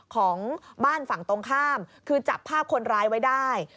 ของบ้านฝั่งตรงข้ามคือจับภาพคนร้ายไว้ได้